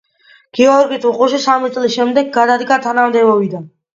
გიორგი ტუღუში სამი წლის შემდეგ გადადგა თანამდებობიდან.